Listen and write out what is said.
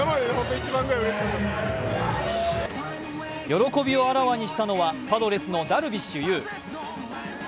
喜びをあらわにしだきはパドレスのダルビッシュ有。